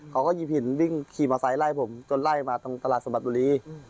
เขาก็หยิบถึงติดไม่ใช่ผมจนไล่มาตองตลาดสมรรดิ